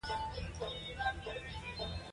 منطق حکم کوي.